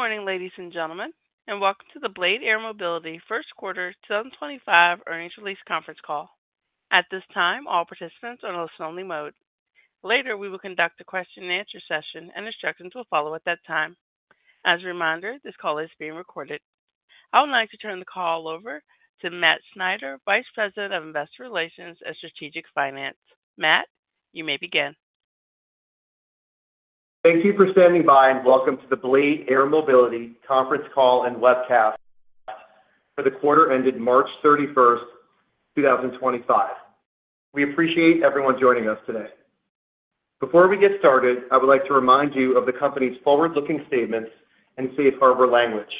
Good morning, ladies and gentlemen, and welcome to the Blade Air Mobility First Quarter 2025 earnings release conference call. At this time, all participants are on a listen-only mode. Later, we will conduct a question-and-answer session, and instructions will follow at that time. As a reminder, this call is being recorded. I would like to turn the call over to Mat Schneider, Vice President of Investor Relations and Strategic Finance. Mat, you may begin. Thank you for standing by, and welcome to the Blade Air Mobility conference call and webcast for the quarter ended March 31st, 2025. We appreciate everyone joining us today. Before we get started, I would like to remind you of the company's forward-looking statements and safe harbor language.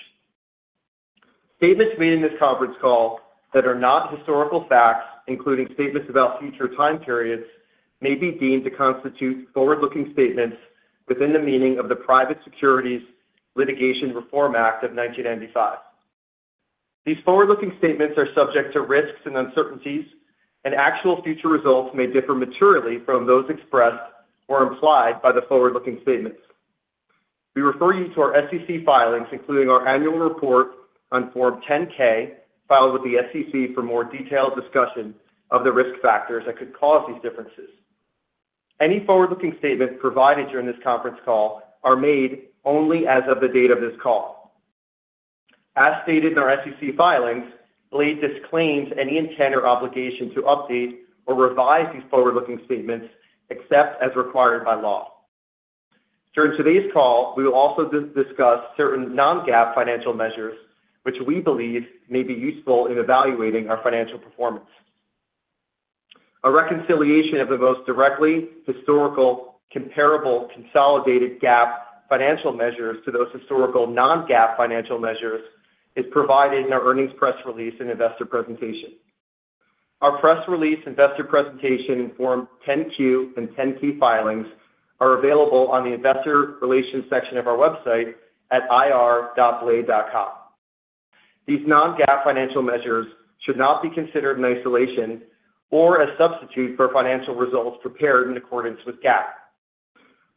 Statements made in this conference call that are not historical facts, including statements about future time periods, may be deemed to constitute forward-looking statements within the meaning of the Private Securities Litigation Reform Act of 1995. These forward-looking statements are subject to risks and uncertainties, and actual future results may differ materially from those expressed or implied by the forward-looking statements. We refer you to our SEC filings, including our annual report on Form 10-K, filed with the SEC for more detailed discussion of the risk factors that could cause these differences. Any forward-looking statements provided during this conference call are made only as of the date of this call. As stated in our SEC filings, Blade disclaims any intent or obligation to update or revise these forward-looking statements except as required by law. During today's call, we will also discuss certain non-GAAP financial measures, which we believe may be useful in evaluating our financial performance. A reconciliation of the most directly historical comparable consolidated GAAP financial measures to those historical non-GAAP financial measures is provided in our earnings press release and investor presentation. Our press release, investor presentation, and Form 10-Q and 10-K filings are available on the investor relations section of our website at ir.stratacritical.com. These non-GAAP financial measures should not be considered in isolation or as substitutes for financial results prepared in accordance with GAAP.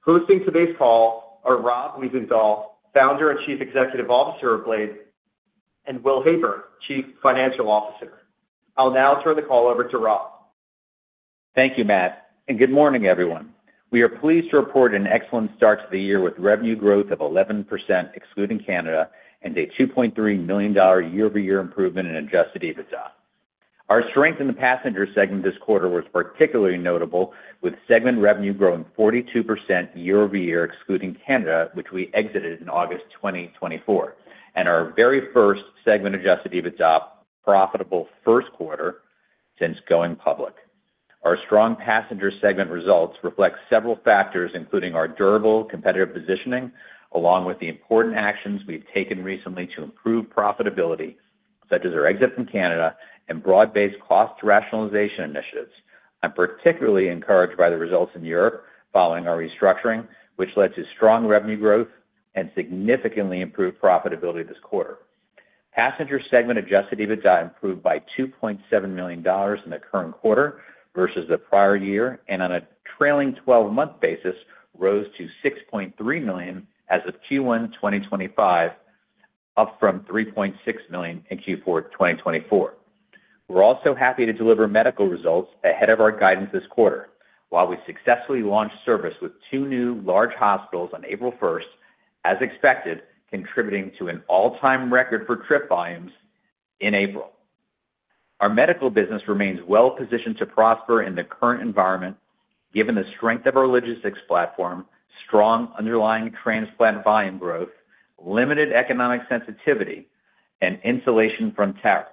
Hosting today's call are Rob Wiesenthal, Founder and Chief Executive Officer of Blade, and Will Heyburn, Chief Financial Officer. I'll now turn the call over to Rob. Thank you, Mat. Good morning, everyone. We are pleased to report an excellent start to the year with revenue growth of 11% excluding Canada and a $2.3 million year-over-year improvement in adjusted EBITDA. Our strength in the Passenger segment this quarter was particularly notable, with segment revenue growing 42% year-over-year excluding Canada, which we exited in August 2024, and our very first segment adjusted EBITDA profitable first quarter since going public. Our strong Passenger segment results reflect several factors, including our durable competitive positioning, along with the important actions we have taken recently to improve profitability, such as our exit from Canada and broad-based cost rationalization initiatives. I am particularly encouraged by the results in Europe following our restructuring, which led to strong revenue growth and significantly improved profitability this quarter. Passenger segment adjusted EBITDA improved by $2.7 million in the current quarter versus the prior year, and on a trailing 12-month basis, rose to $6.3 million as of Q1 2025, up from $3.6 million in Q4 2024. We're also happy to deliver medical results ahead of our guidance this quarter, while we successfully launched service with two new large hospitals on April 1st, as expected, contributing to an all-time record for trip volumes in April. Our medical business remains well-positioned to prosper in the current environment, given the strength of our logistics platform, strong underlying transplant volume growth, limited economic sensitivity, and insulation from tariffs.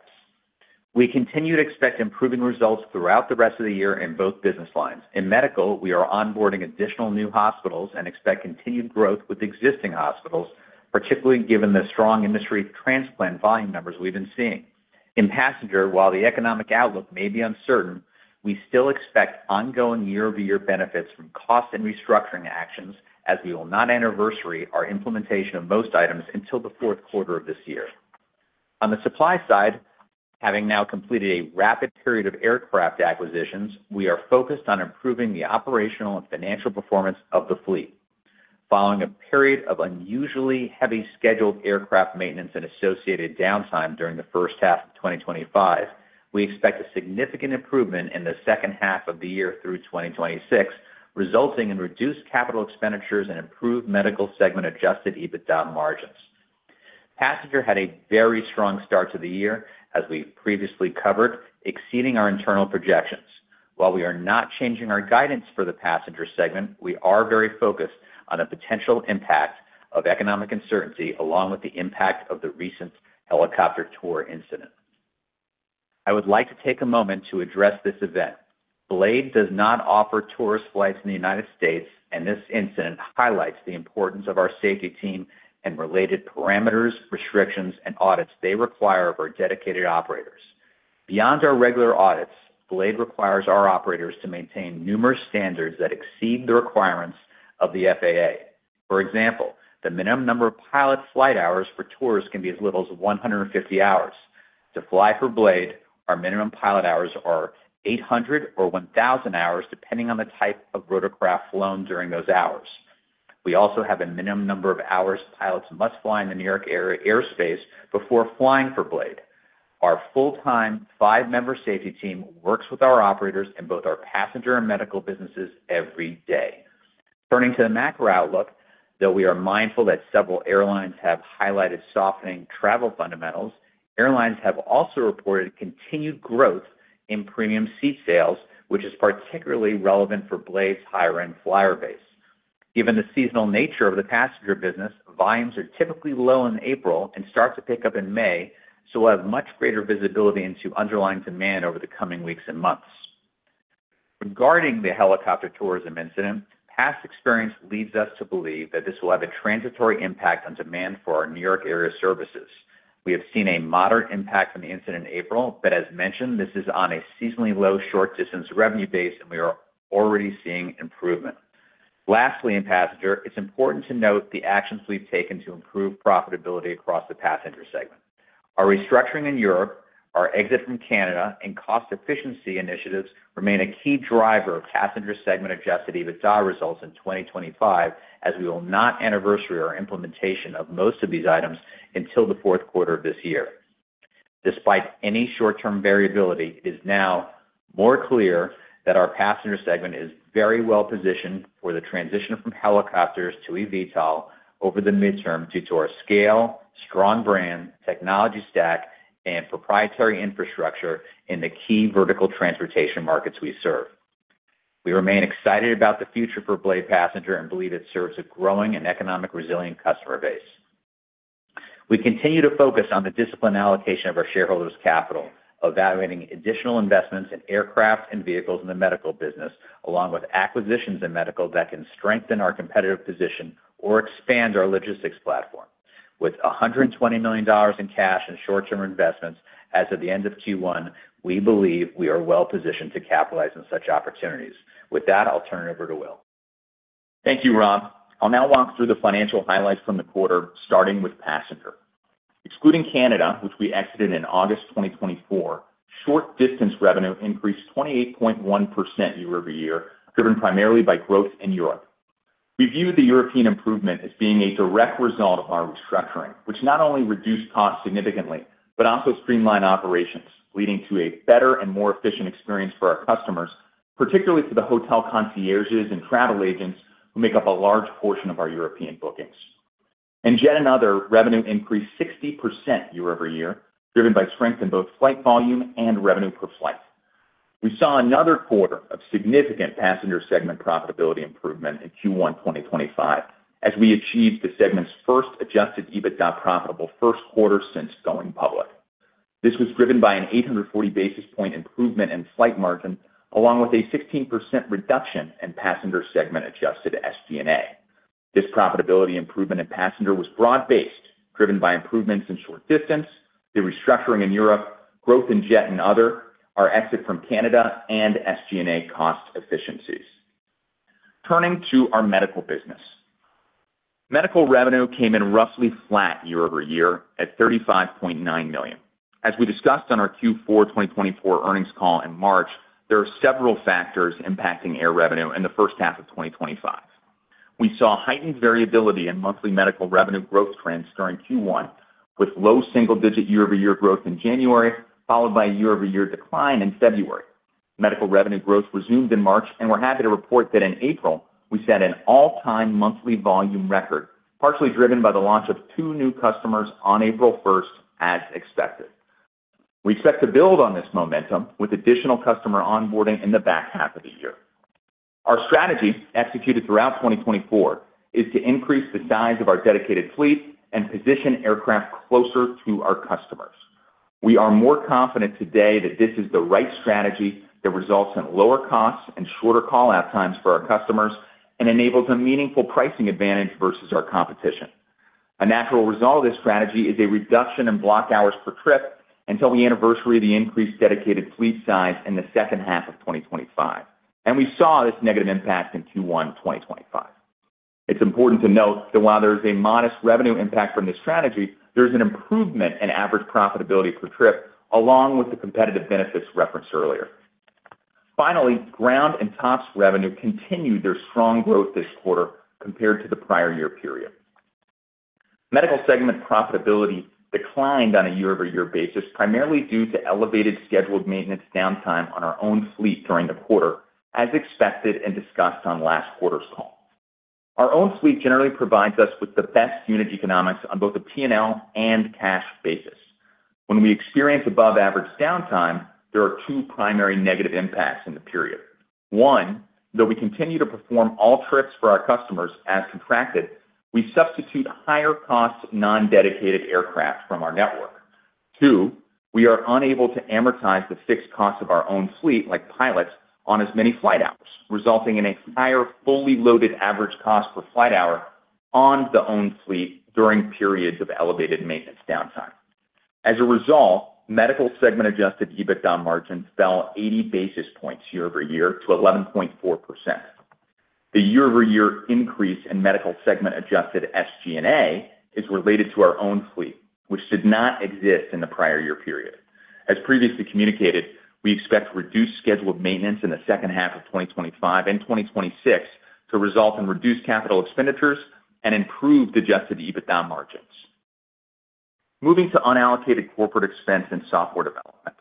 We continue to expect improving results throughout the rest of the year in both business lines. In medical, we are onboarding additional new hospitals and expect continued growth with existing hospitals, particularly given the strong industry transplant volume numbers we've been seeing. In Passenger, while the economic outlook may be uncertain, we still expect ongoing year-over-year benefits from cost and restructuring actions, as we will not anniversary our implementation of most items until the fourth quarter of this year. On the supply side, having now completed a rapid period of aircraft acquisitions, we are focused on improving the operational and financial performance of the fleet. Following a period of unusually heavy scheduled aircraft maintenance and associated downtime during the first half of 2025, we expect a significant improvement in the second half of the year through 2026, resulting in reduced capital expenditures and improved medical segment adjusted EBITDA margins. Passenger had a very strong start to the year, as we previously covered, exceeding our internal projections. While we are not changing our guidance for the Passenger segment, we are very focused on the potential impact of economic uncertainty, along with the impact of the recent helicopter tour incident. I would like to take a moment to address this event. Blade does not offer tourist flights in the United States, and this incident highlights the importance of our safety team and related parameters, restrictions, and audits they require of our dedicated operators. Beyond our regular audits, Blade requires our operators to maintain numerous standards that exceed the requirements of the FAA. For example, the minimum number of pilot flight hours for tours can be as little as 150 hours. To fly for Blade, our minimum pilot hours are 800 or 1,000 hours, depending on the type of rotorcraft flown during those hours. We also have a minimum number of hours pilots must fly in the New York area airspace before flying for Blade. Our full-time, five-member safety team works with our operators in both our Passenger and medical businesses every day. Turning to the macro outlook, though we are mindful that several airlines have highlighted softening travel fundamentals, airlines have also reported continued growth in premium seat sales, which is particularly relevant for Blade's higher-end flyer base. Given the seasonal nature of the Passenger business, volumes are typically low in April and start to pick up in May, so we'll have much greater visibility into underlying demand over the coming weeks and months. Regarding the helicopter tourism incident, past experience leads us to believe that this will have a transitory impact on demand for our New York area services. We have seen a moderate impact from the incident in April, but as mentioned, this is on a seasonally low short-distance revenue base, and we are already seeing improvement. Lastly, in Passenger, it's important to note the actions we've taken to improve profitability across the Passenger segment. Our restructuring in Europe, our exit from Canada, and cost efficiency initiatives remain a key driver of Passenger segment adjusted EBITDA results in 2025, as we will not anniversary our implementation of most of these items until the fourth quarter of this year. Despite any short-term variability, it is now more clear that our Passenger segment is very well positioned for the transition from helicopters to eVTOL over the midterm due to our scale, strong brand, technology stack, and proprietary infrastructure in the key vertical transportation markets we serve. We remain excited about the future for Blade Passenger and believe it serves a growing and economically resilient customer base. We continue to focus on the disciplined allocation of our shareholders' capital, evaluating additional investments in aircraft and vehicles in the medical business, along with acquisitions in medical that can strengthen our competitive position or expand our logistics platform. With $120 million in cash and short-term investments as of the end of Q1, we believe we are well positioned to capitalize on such opportunities. With that, I'll turn it over to Will. Thank you, Rob. I'll now walk through the financial highlights from the quarter, starting with Passenger. Excluding Canada, which we exited in August 2024, short-distance revenue increased 28.1% year-over-year, driven primarily by growth in Europe. We view the European improvement as being a direct result of our restructuring, which not only reduced costs significantly but also streamlined operations, leading to a better and more efficient experience for our customers, particularly for the hotel concierges and travel agents who make up a large portion of our In Jet and Other, revenue increased 60% year-over-year, driven by strength in both flight volume and revenue per flight. We saw another quarter of significant Passenger segment profitability improvement in Q1 2025 as we achieved the segment's first adjusted EBITDA profitable first quarter since going public. This was driven by an 840 basis point improvement in flight margin, along with a 16% reduction in Passenger segment adjusted SG&A. This profitability improvement in Passenger was broad-based, driven by improvements in short distance, the restructuring in Europe, growth in Jet and Other, our exit from Canada, and SG&A cost efficiencies. Turning to our medical business, medical revenue came in roughly flat year-over-year at $35.9 million. As we discussed on our Q4 2024 earnings call in March, there are several factors impacting air revenue in the first half of 2025. We saw heightened variability in monthly medical revenue growth trends during Q1, with low single-digit year-over-year growth in January, followed by a year-over-year decline in February. Medical revenue growth resumed in March, and we're happy to report that in April, we set an all-time monthly volume record, partially driven by the launch of two new customers on April 1, as expected. We expect to build on this momentum with additional customer onboarding in the back half of the year. Our strategy, executed throughout 2024, is to increase the size of our dedicated fleet and position aircraft closer to our customers. We are more confident today that this is the right strategy that results in lower costs and shorter call-out times for our customers and enables a meaningful pricing advantage versus our competition. A natural result of this strategy is a reduction in block hours per trip until we anniversary the increased dedicated fleet size in the second half of 2025, and we saw this negative impact in Q1 2025. It's important to note that while there is a modest revenue impact from this strategy, there is an improvement in average profitability per trip, along with the competitive benefits referenced earlier. Finally, ground and tops revenue continued their strong growth this quarter compared to the prior year period. Medical segment profitability declined on a year-over-year basis, primarily due to elevated scheduled maintenance downtime on our own fleet during the quarter, as expected and discussed on last quarter's call. Our own fleet generally provides us with the best unit economics on both a P&L and cash basis. When we experience above-average downtime, there are two primary negative impacts in the period. One, though we continue to perform all trips for our customers as contracted, we substitute higher-cost non-dedicated aircraft from our network. Two, we are unable to amortize the fixed costs of our own fleet like pilots on as many flight hours, resulting in a higher fully loaded average cost per flight hour on the owned fleet during periods of elevated maintenance downtime. As a result, medical segment adjusted EBITDA margin fell 80 basis points year-over-year to 11.4%. The year-over-year increase in Medical segment adjusted SG&A is related to our own fleet, which did not exist in the prior year period. As previously communicated, we expect reduced scheduled maintenance in the second half of 2025 and 2026 to result in reduced capital expenditures and improved adjusted EBITDA margins. Moving to unallocated corporate expense in software development,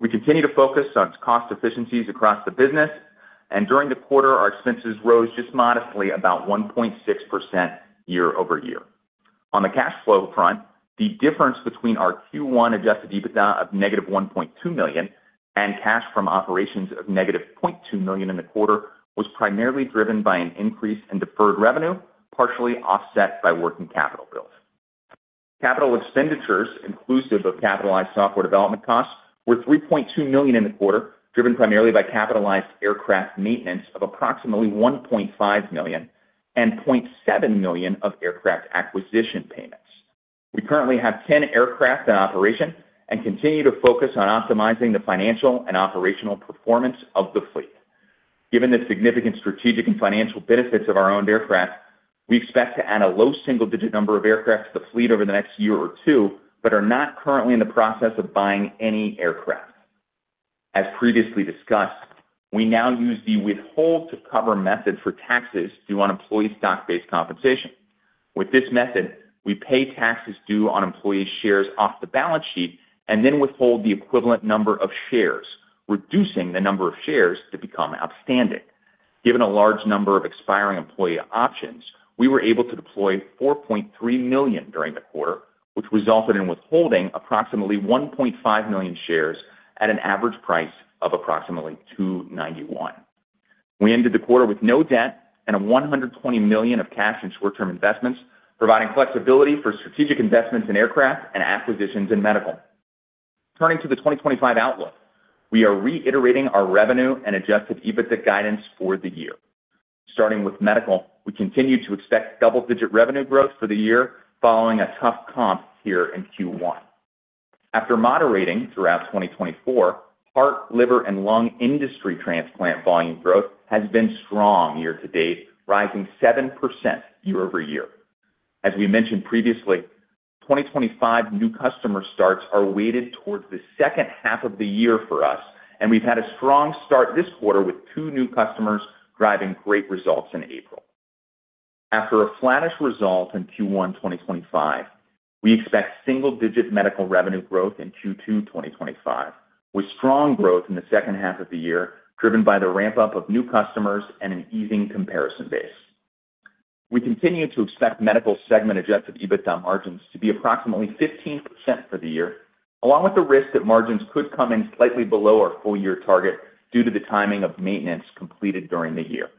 we continue to focus on cost efficiencies across the business, and during the quarter, our expenses rose just modestly, about 1.6% year-over-year. On the cash flow front, the difference between our Q1 adjusted EBITDA of negative $1.2 million and cash from operations of negative $0.2 million in the quarter was primarily driven by an increase in deferred revenue, partially offset by working capital bills. Capital expenditures, inclusive of capitalized software development costs, were $3.2 million in the quarter, driven primarily by capitalized aircraft maintenance of approximately $1.5 million and $0.7 million of aircraft acquisition payments. We currently have 10 aircraft in operation and continue to focus on optimizing the financial and operational performance of the fleet. Given the significant strategic and financial benefits of our owned aircraft, we expect to add a low single-digit number of aircraft to the fleet over the next year or two, but are not currently in the process of buying any aircraft. As previously discussed, we now use the withhold-to-cover method for taxes due on employee stock-based compensation. With this method, we pay taxes due on employee shares off the balance sheet and then withhold the equivalent number of shares, reducing the number of shares to become outstanding. Given a large number of expiring employee options, we were able to deploy $4.3 million during the quarter, which resulted in withholding approximately 1.5 million shares at an average price of approximately $291. We ended the quarter with no debt and $120 million of cash and short-term investments, providing flexibility for strategic investments in aircraft and acquisitions in medical. Turning to the 2025 outlook, we are reiterating our revenue and adjusted EBITDA guidance for the year. Starting with medical, we continue to expect double-digit revenue growth for the year following a tough comp here in Q1. After moderating throughout 2024, heart, liver, and lung industry transplant volume growth has been strong year-to-date, rising 7% year-over-year. As we mentioned previously, 2025 new customer starts are weighted towards the second half of the year for us, and we've had a strong start this quarter with two new customers driving great results in April. After a flattish result in Q1 2025, we expect single-digit medical revenue growth in Q2 2025, with strong growth in the second half of the year, driven by the ramp-up of new customers and an easing comparison base. We continue to expect medical segment adjusted EBITDA margins to be approximately 15% for the year, along with the risk that margins could come in slightly below our full-year target due to the timing of maintenance completed during the year.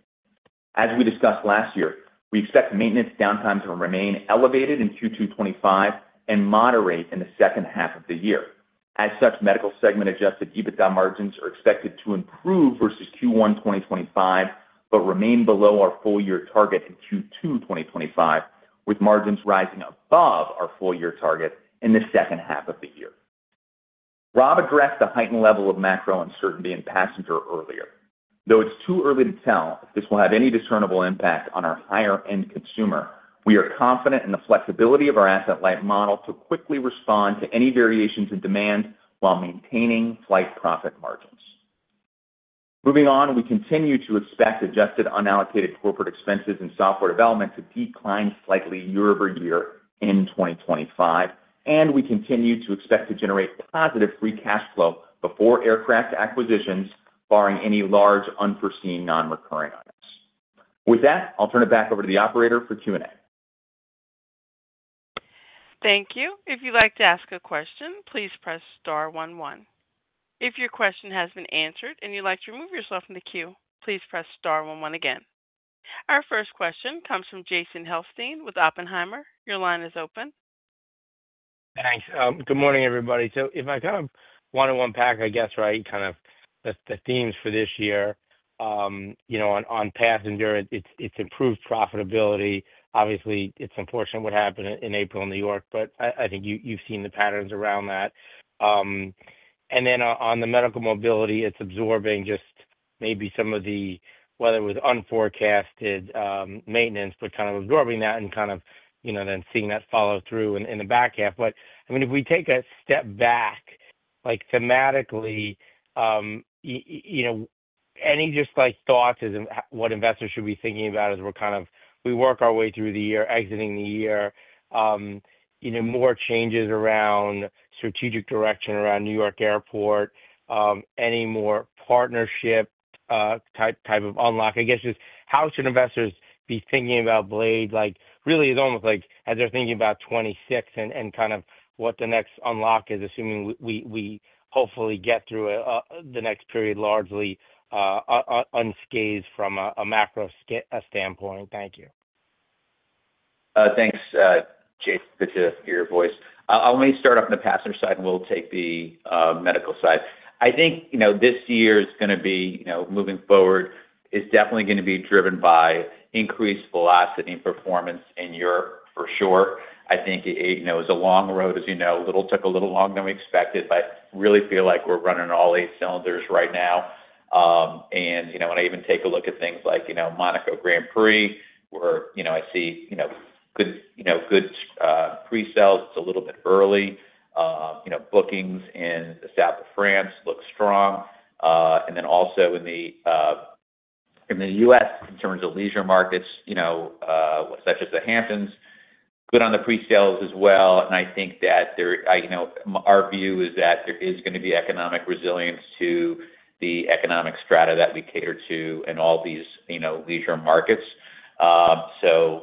As we discussed last year, we expect maintenance downtime to remain elevated in Q2 2025 and moderate in the second half of the year. As such, medical segment adjusted EBITDA margins are expected to improve versus Q1 2025 but remain below our full-year target in Q2 2025, with margins rising above our full-year target in the second half of the year. Rob addressed the heightened level of macro uncertainty in Passenger earlier. Though it's too early to tell if this will have any discernible impact on our higher-end consumer, we are confident in the flexibility of our asset-light model to quickly respond to any variations in demand while maintaining flight profit margins. Moving on, we continue to expect adjusted unallocated corporate expenses in software development to decline slightly year-over-year in 2025, and we continue to expect to generate positive free cash flow before aircraft acquisitions, barring any large unforeseen non-recurring items. With that, I'll turn it back over to the operator for Q&A. Thank you. If you'd like to ask a question, please press star 11. If your question has been answered and you'd like to remove yourself from the queue, please press star 11 again. Our first question comes from Jason Helfstein with Oppenheimer. Your line is open. Thanks. Good morning, everybody. If I kind of want to unpack, I guess, right, kind of the themes for this year, you know, on Passenger, it's improved profitability. Obviously, it's unfortunate what happened in April in New York, but I think you've seen the patterns around that. On the medical mobility, it's absorbing just maybe some of the, whether it was unforecasted maintenance, but kind of absorbing that and kind of, you know, then seeing that follow through in the back half. I mean, if we take a step back, like thematically, you know, any just like thoughts as what investors should be thinking about as we're kind of, we work our way through the year, exiting the year, you know, more changes around strategic direction around New York Airport, any more partnership type of unlock. I guess just how should investors be thinking about Blade? Like, really, it's almost like as they're thinking about 2026 and kind of what the next unlock is, assuming we hopefully get through the next period largely unscathed from a macro standpoint. Thank you. Thanks, Jason, for your voice. I'll maybe start off on the Passenger side and we'll take the medical side. I think, you know, this year is going to be, you know, moving forward, is definitely going to be driven by increased velocity and performance in Europe, for sure. I think, you know, it was a long road, as you know, took a little longer than we expected, but really feel like we're running all eight cylinders right now. I think, you know, when I even take a look at things like, you know, Monaco Grand Prix, where, you know, I see, you know, good, you know, good pre-sales, it's a little bit early, you know, bookings in the South of France look strong. And then also in the U.S., in terms of leisure markets, you know, such as the Hamptons, good on the pre-sales as well. I think that there, you know, our view is that there is going to be economic resilience to the economic strata that we cater to in all these, you know, leisure markets.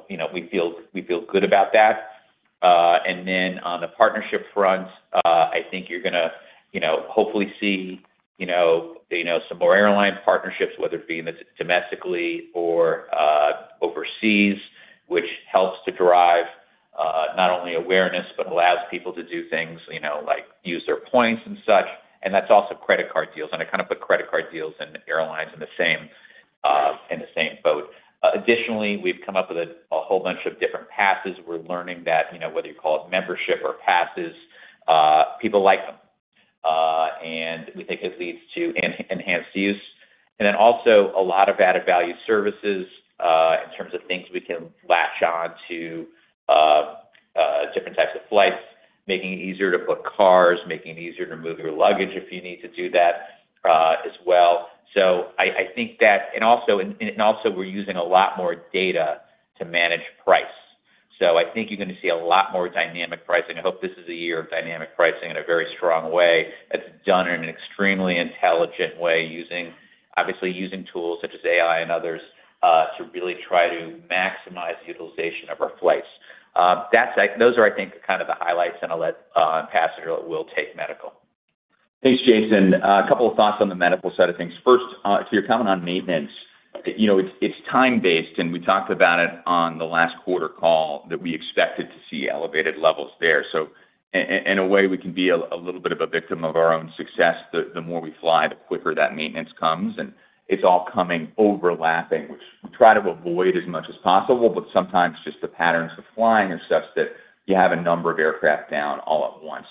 You know, we feel good about that. On the partnership front, I think you're going to, you know, hopefully see, you know, some more airline partnerships, whether it be domestically or overseas, which helps to drive not only awareness, but allows people to do things, you know, like use their points and such. That is also credit card deals. I kind of put credit card deals and airlines in the same boat. Additionally, we've come up with a whole bunch of different passes. We're learning that, you know, whether you call it membership or passes, people like them. We think it leads to enhanced use. There are also a lot of added value services in terms of things we can latch on to different types of flights, making it easier to book cars, making it easier to move your luggage if you need to do that as well. I think that, and also, we are using a lot more data to manage price. I think you are going to see a lot more dynamic pricing. I hope this is a year of dynamic pricing in a very strong way that is done in an extremely intelligent way, obviously using tools such as AI and others to really try to maximize the utilization of our flights. Those are, I think, kind of the highlights in a Passenger that will take medical. Thanks, Jason. A couple of thoughts on the medical side of things. First, to your comment on maintenance, you know, it's time-based, and we talked about it on the last quarter call that we expected to see elevated levels there. In a way, we can be a little bit of a victim of our own success. The more we fly, the quicker that maintenance comes. It's all coming overlapping, which we try to avoid as much as possible, but sometimes just the patterns of flying are such that you have a number of aircraft down all at once.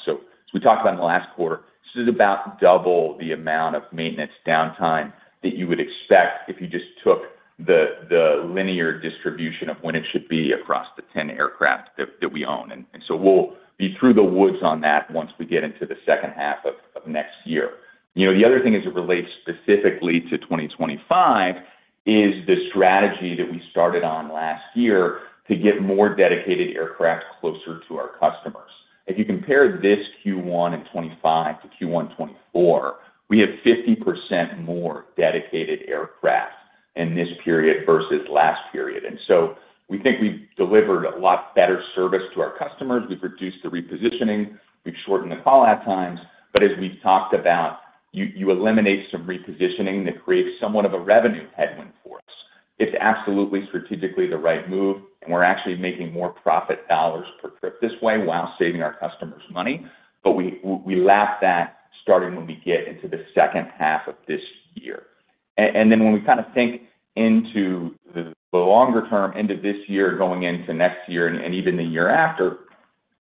We talked about in the last quarter, this is about double the amount of maintenance downtime that you would expect if you just took the linear distribution of when it should be across the 10 aircraft that we own. We will be through the woods on that once we get into the second half of next year. You know, the other thing as it relates specifically to 2025 is the strategy that we started on last year to get more dedicated aircraft closer to our customers. If you compare this Q1 and 2025 to Q1 2024, we have 50% more dedicated aircraft in this period versus last period. We think we've delivered a lot better service to our customers. We've reduced the repositioning. We've shortened the call-out times. As we've talked about, you eliminate some repositioning that creates somewhat of a revenue headwind for us. It's absolutely strategically the right move, and we're actually making more profit dollars per trip this way while saving our customers money. We lapped that starting when we get into the second half of this year. When we kind of think into the longer term, into this year, going into next year, and even the year after,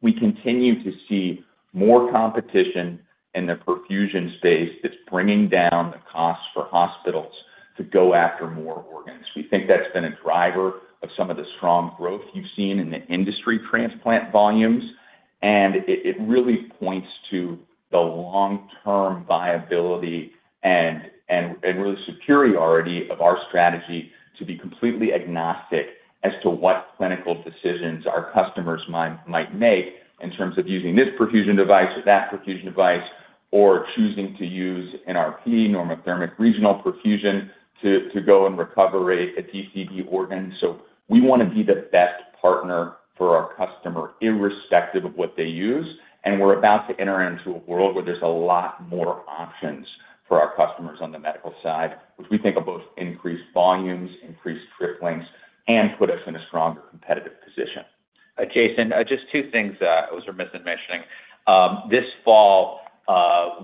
we continue to see more competition in the perfusion space that's bringing down the costs for hospitals to go after more organs. We think that's been a driver of some of the strong growth you've seen in the industry transplant volumes. It really points to the long-term viability and really superiority of our strategy to be completely agnostic as to what clinical decisions our customers might make in terms of using this perfusion device or that perfusion device or choosing to use NRP, normothermic regional perfusion to go and recover a DCD organ. We want to be the best partner for our customer, irrespective of what they use. We're about to enter into a world where there's a lot more options for our customers on the medical side, which we think will both increase volumes, increase trip lengths, and put us in a stronger competitive position. Jason, just two things I was remiss in mentioning. This fall,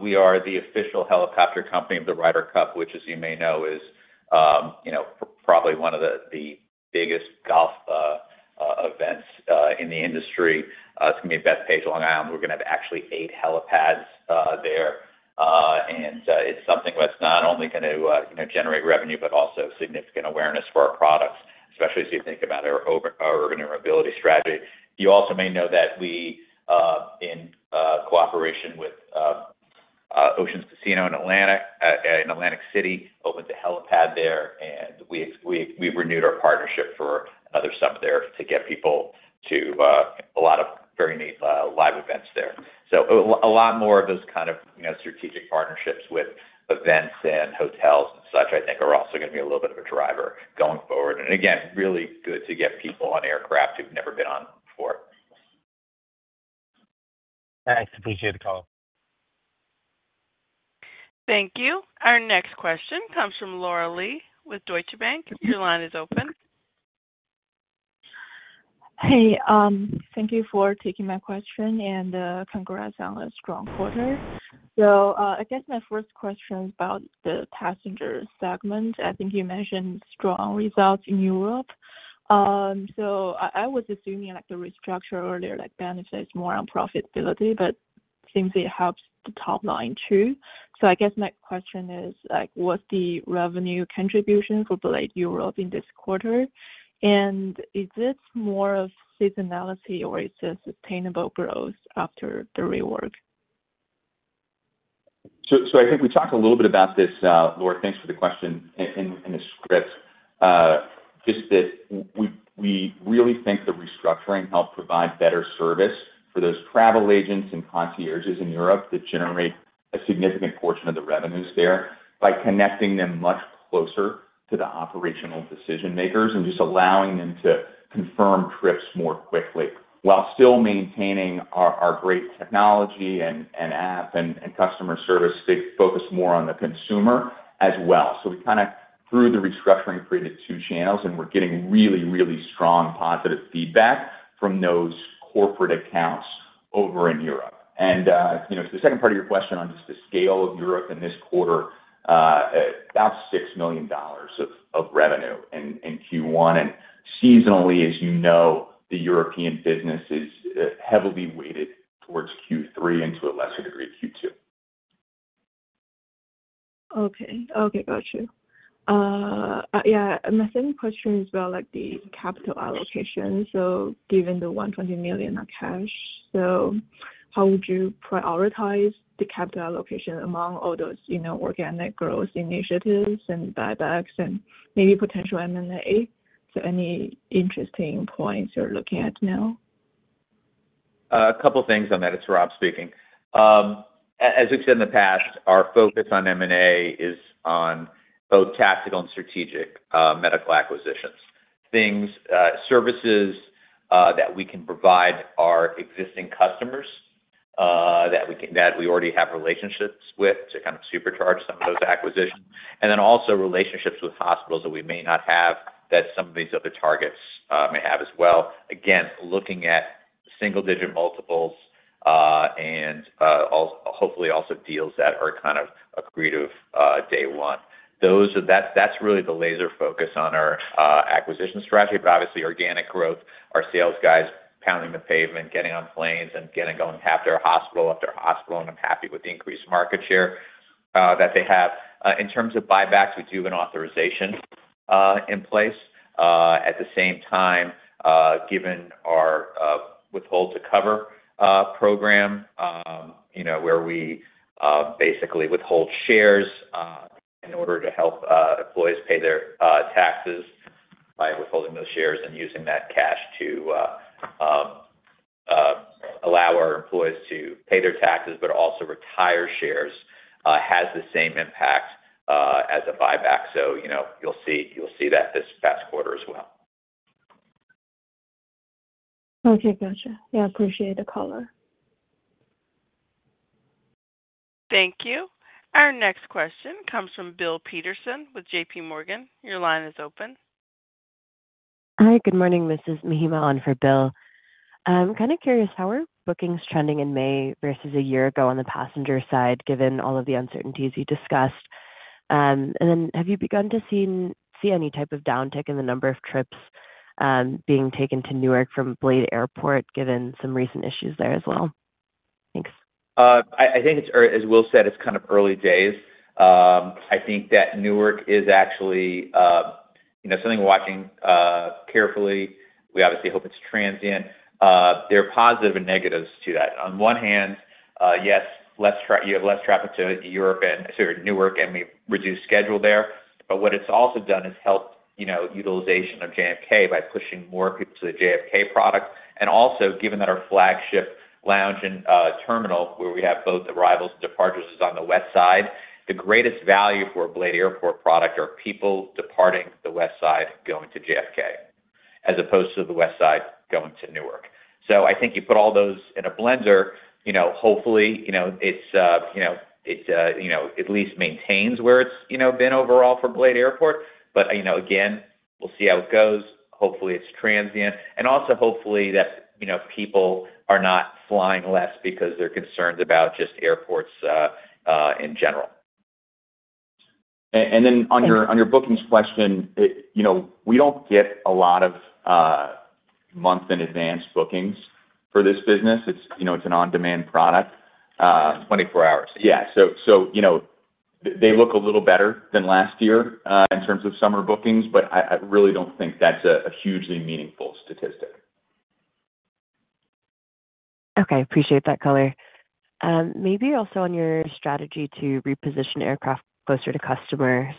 we are the official helicopter company of the Ryder Cup, which, as you may know, is, you know, probably one of the biggest golf events in the industry. It's going to be at Bethpage, Long Island. We're going to have actually eight helipads there. It's something that's not only going to generate revenue, but also significant awareness for our products, especially as you think about our organ and mobility strategy. You also may know that we, in cooperation with Ocean's Casino in Atlantic City, opened a helipad there. We've renewed our partnership for another summer there to get people to a lot of very neat live events there. A lot more of those kind of strategic partnerships with events and hotels and such, I think, are also going to be a little bit of a driver going forward. Again, really good to get people on aircraft who've never been on before. Thanks. Appreciate the call. Thank you. Our next question comes from Laura Lee with Deutsche Bank. Your line is open. Hey, thank you for taking my question and congrats on a strong quarter. I guess my first question is about the Passenger segment. I think you mentioned strong results in Europe. I was assuming like the restructure earlier, like benefits more on profitability, but seems it helps the top line too. I guess my question is like, what's the revenue contribution for Blade Europe in this quarter? Is it more of seasonality or is it sustainable growth after the rework? I think we talked a little bit about this, Laura. Thanks for the question in the script. We really think the restructuring helped provide better service for those travel agents and concierges in Europe that generate a significant portion of the revenues there by connecting them much closer to the operational decision makers and just allowing them to confirm trips more quickly while still maintaining our great technology and app and customer service focused more on the consumer as well. We kind of, through the restructuring, created two channels, and we're getting really, really strong positive feedback from those corporate accounts over in Europe. You know, the second part of your question on just the scale of Europe in this quarter, about $6 million of revenue in Q1. Seasonally, as you know, the European business is heavily weighted towards Q3 and to a lesser degree Q2. Okay. Okay, got you. Yeah, my second question is about like the capital allocation. Given the $120 million of cash, how would you prioritize the capital allocation among all those, you know, organic growth initiatives and buybacks and maybe potential M&A? Any interesting points you're looking at now? A couple of things on that. It's Rob speaking. As we've said in the past, our focus on M&A is on both tactical and strategic medical acquisitions. Things, services that we can provide our existing customers that we already have relationships with to kind of supercharge some of those acquisitions. Also relationships with hospitals that we may not have that some of these other targets may have as well. Again, looking at single-digit multiples and hopefully also deals that are kind of accretive day one. That's really the laser focus on our acquisition strategy. Obviously organic growth, our sales guys pounding the pavement, getting on planes and getting going after hospital after hospital, and I'm happy with the increased market share that they have. In terms of buybacks, we do have an authorization in place. At the same time, given our withhold-to-cover program, you know, where we basically withhold shares in order to help employees pay their taxes by withholding those shares and using that cash to allow our employees to pay their taxes, but also retire shares, has the same impact as a buyback. You know, you'll see that this past quarter as well. Okay, gotcha. Yeah, appreciate the color. Thank you. Our next question comes from Bill Peterson with JPMorgan. Your line is open. Hi, good morning. This is Mihima on for Bill. I'm kind of curious how are bookings trending in May versus a year ago on the Passenger side, given all of the uncertainties you discussed. Have you begun to see any type of downtick in the number of trips being taken to Newark from Blade Airport, given some recent issues there as well? Thanks. I think it's, as Will said, it's kind of early days. I think that Newark is actually, you know, something we're watching carefully. We obviously hope it's transient. There are positives and negatives to that. On one hand, yes, you have less traffic to Newark and we've reduced schedule there. What it's also done is help, you know, utilization of JFK by pushing more people to the JFK product. Also, given that our flagship lounge and terminal, where we have both arrivals and departures, is on the west side, the greatest value for a Blade Airport product are people departing the west side going to JFK as opposed to the west side going to Newark. I think you put all those in a blender, you know, hopefully, you know, it at least maintains where it's, you know, been overall for Blade Airport. You know, again, we'll see how it goes. Hopefully it's transient. Also, hopefully that, you know, people are not flying less because they're concerned about just airports in general. On your bookings question, you know, we don't get a lot of months in advance bookings for this business. It's, you know, it's an on-demand product. Twenty-four hours. Yeah. You know, they look a little better than last year in terms of summer bookings, but I really don't think that's a hugely meaningful statistic. Okay. Appreciate that color. Maybe also on your strategy to reposition aircraft closer to customers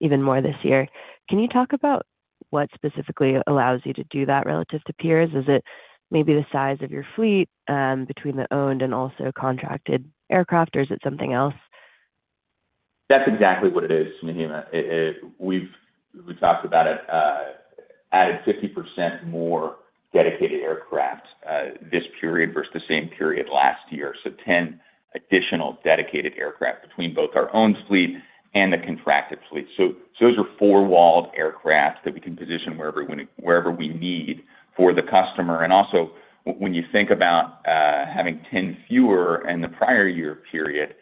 even more this year. Can you talk about what specifically allows you to do that relative to peers? Is it maybe the size of your fleet between the owned and also contracted aircraft, or is it something else? That's exactly what it is, Mihima. We've talked about it, added 50% more dedicated aircraft this period versus the same period last year. So 10 additional dedicated aircraft between both our own fleet and the contracted fleet. Those are four-walled aircraft that we can position wherever we need for the customer. Also, when you think about having 10 fewer in the prior year period,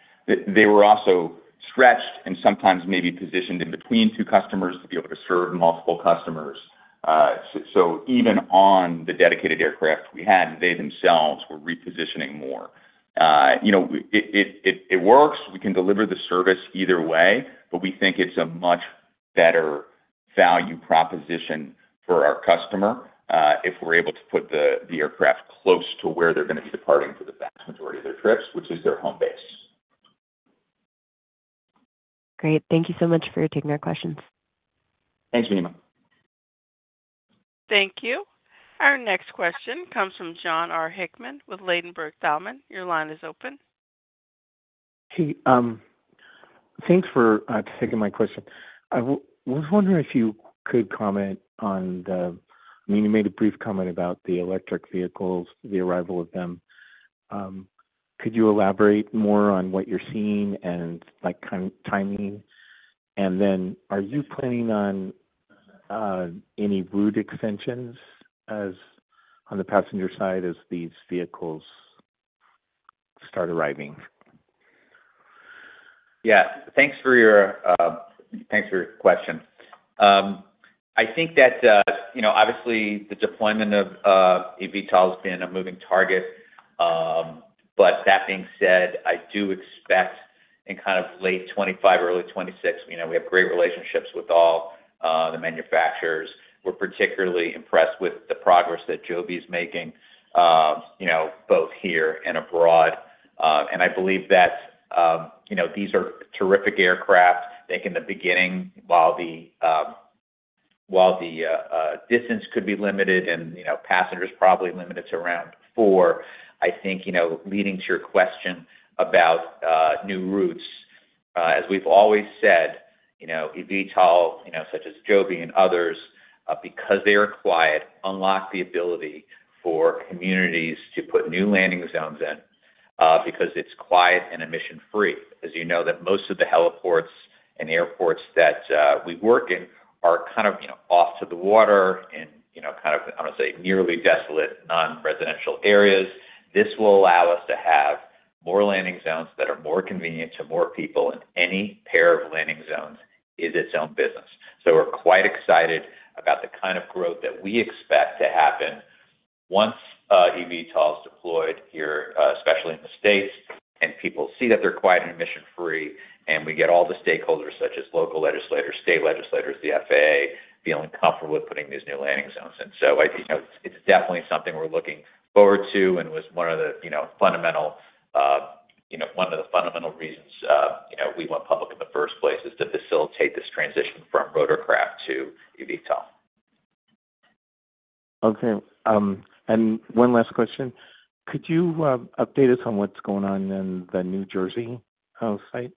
they were also stretched and sometimes maybe positioned in between two customers to be able to serve multiple customers. Even on the dedicated aircraft we had, they themselves were repositioning more. You know, it works. We can deliver the service either way, but we think it's a much better value proposition for our customer if we're able to put the aircraft close to where they're going to be departing for the vast majority of their trips, which is their home base. Great. Thank you so much for taking our questions. Thanks, Mihima. Thank you. Our next question comes from Jon R. Hickman with Ladenburg Thalmann. Your line is open. Hey, thanks for taking my question. I was wondering if you could comment on the, I mean, you made a brief comment about the electric vehicles, the arrival of them. Could you elaborate more on what you're seeing and like kind of timing? And then are you planning on any route extensions on the Passenger side as these vehicles start arriving? Yeah. Thanks for your question. I think that, you know, obviously the deployment of eVTOL has been a moving target. That being said, I do expect in kind of late 2025, early 2026, you know, we have great relationships with all the manufacturers. We're particularly impressed with the progress that Joby is making, you know, both here and abroad. I believe that, you know, these are terrific aircraft. I think in the beginning, while the distance could be limited and, you know, passengers probably limited to around four, I think, you know, leading to your question about new routes, as we've always said, you know, eVTOL, you know, such as Joby and others, because they are quiet, unlock the ability for communities to put new landing zones in because it's quiet and emission-free. As you know, that most of the heliports and airports that we work in are kind of, you know, off to the water and, you know, kind of, I do not want to say nearly desolate non-residential areas. This will allow us to have more landing zones that are more convenient to more people, and any pair of landing zones is its own business. We are quite excited about the kind of growth that we expect to happen once eVTOL is deployed here, especially in the States, and people see that they are quiet and emission-free, and we get all the stakeholders, such as local legislators, state legislators, the FAA, feeling comfortable with putting these new landing zones. I think, you know, it's definitely something we're looking forward to and was one of the, you know, fundamental, you know, one of the fundamental reasons, you know, we went public in the first place is to facilitate this transition from rotorcraft to eVTOL. Okay. And one last question. Could you update us on what's going on in the New Jersey site?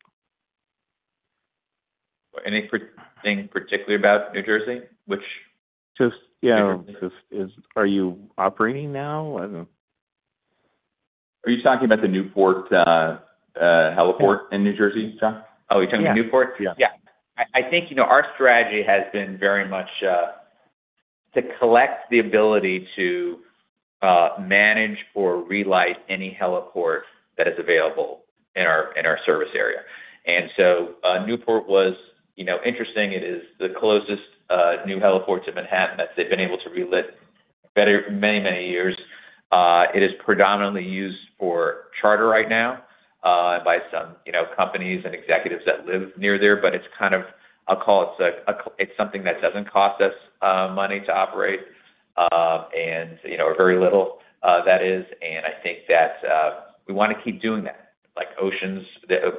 Anything particular about New Jersey? Which? Just, yeah, just is, are you operating now? Are you talking about the Newport heliport in New Jersey, Jon? Oh, you're talking about Newport? Yeah. Yeah. I think, you know, our strategy has been very much to collect the ability to manage or relight any heliport that is available in our service area. Newport was, you know, interesting. It is the closest new heliport to Manhattan that they've been able to relight for many, many years. It is predominantly used for charter right now by some, you know, companies and executives that live near there, but it's kind of, I'll call it, it's something that doesn't cost us money to operate. You know, very little that is. I think that we want to keep doing that. Like Ocean's,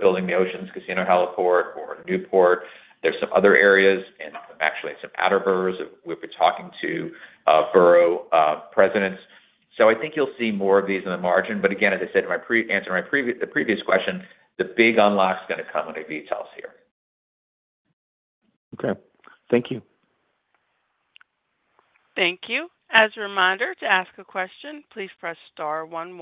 building the Ocean's Casino heliport or Newport, there's some other areas and actually some outer boroughs that we've been talking to borough presidents. I think you'll see more of these in the margin. As I said in my answer to my previous question, the big unlock's going to come with eVTOLs here. Okay. Thank you. Thank you. As a reminder, to ask a question, please press star 11.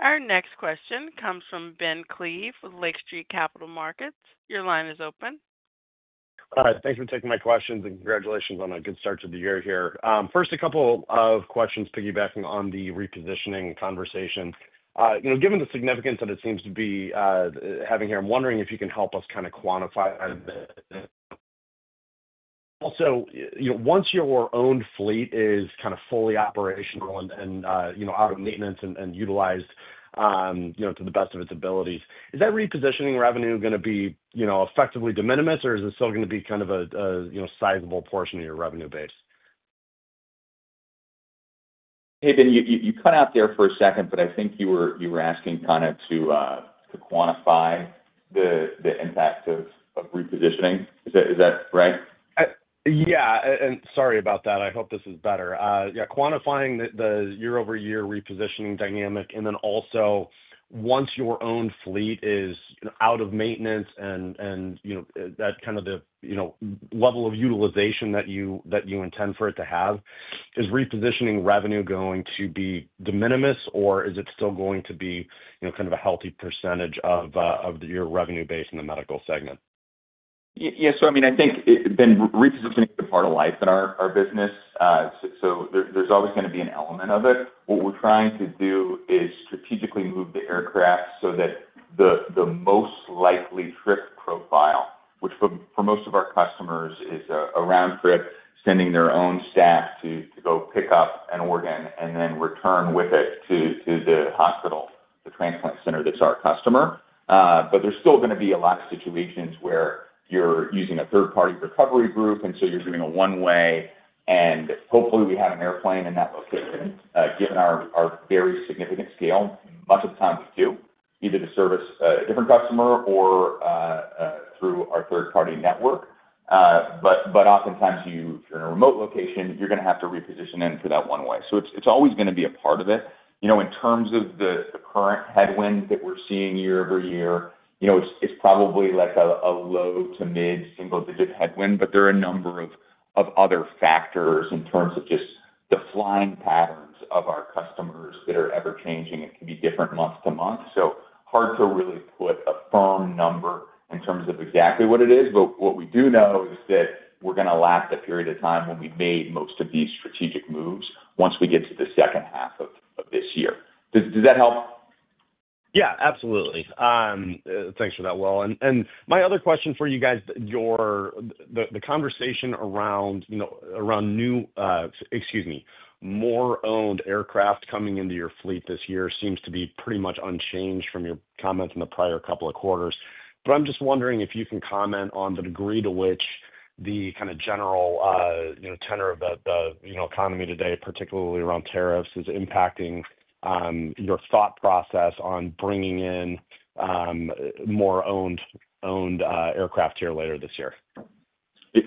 Our next question comes from Ben Klieve with Lake Street Capital Markets. Your line is open. Thanks for taking my questions and congratulations on a good start to the year here. First, a couple of questions piggybacking on the repositioning conversation. You know, given the significance that it seems to be having here, I'm wondering if you can help us kind of quantify a bit. Also, you know, once your owned fleet is kind of fully operational and, you know, out of maintenance and utilized, you know, to the best of its abilities, is that repositioning revenue going to be, you know, effectively de minimis or is it still going to be kind of a, you know, sizable portion of your revenue base? Hey, Ben, you cut out there for a second, but I think you were asking kind of to quantify the impact of repositioning. Is that right? Yeah. Sorry about that. I hope this is better. Yeah, quantifying the year-over-year repositioning dynamic and then also once your owned fleet is out of maintenance and, you know, that kind of the, you know, level of utilization that you intend for it to have, is repositioning revenue going to be de minimis or is it still going to be, you know, kind of a healthy percentage of your revenue base in the medical segment? Yeah. I mean, I think, Ben, repositioning is a part of life in our business. There is always going to be an element of it. What we're trying to do is strategically move the aircraft so that the most likely trip profile, which for most of our customers is a round trip, sending their own staff to go pick up an organ and then return with it to the hospital, the transplant center that is our customer. There are still going to be a lot of situations where you are using a third-party recovery group and you are doing a one-way. Hopefully we have an airplane in that location, given our very significant scale. Much of the time we do, either to service a different customer or through our third-party network. Oftentimes, if you are in a remote location, you are going to have to reposition in for that one-way. It's always going to be a part of it. You know, in terms of the current headwind that we're seeing year-over-year, it's probably like a low to mid single-digit headwind, but there are a number of other factors in terms of just the flying patterns of our customers that are ever-changing. It can be different month to month. Hard to really put a firm number in terms of exactly what it is. What we do know is that we're going to last a period of time when we've made most of these strategic moves once we get to the second half of this year. Does that help? Yeah, absolutely. Thanks for that, Will. My other question for you guys, the conversation around, you know, around new, excuse me, more owned aircraft coming into your fleet this year seems to be pretty much unchanged from your comments in the prior couple of quarters. I'm just wondering if you can comment on the degree to which the kind of general, you know, tenor of the, you know, economy today, particularly around tariffs, is impacting your thought process on bringing in more owned aircraft here later this year.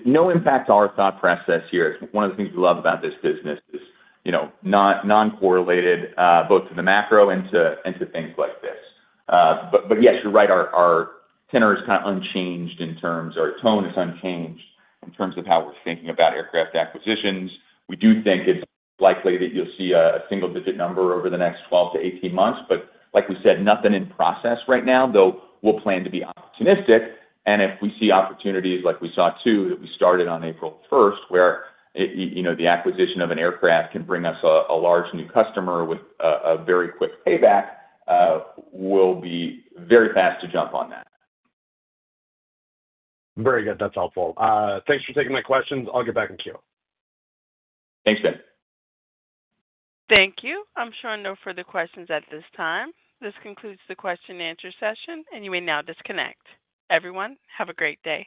No impact on our thought process here. One of the things we love about this business is, you know, non-correlated both to the macro and to things like this. Yes, you're right, our tenor is kind of unchanged in terms of our tone is unchanged in terms of how we're thinking about aircraft acquisitions. We do think it's likely that you'll see a single-digit number over the next 12-18 months. Like we said, nothing in process right now, though we'll plan to be opportunistic. If we see opportunities like we saw two that we started on April 1, where, you know, the acquisition of an aircraft can bring us a large new customer with a very quick payback, we'll be very fast to jump on that. Very good. That's helpful. Thanks for taking my questions. I'll get back in queue. Thanks, Ben. Thank you. I'm showing no further questions at this time. This concludes the question-and-answer session, and you may now disconnect. Everyone, have a great day.